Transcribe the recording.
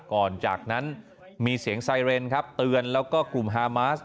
ก่อนจากนั้นมีเสียงไซเรนครับเตือนแล้วก็กลุ่มฮามาส